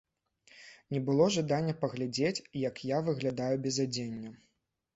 Не было жадання паглядзець, як я выглядаю без адзення.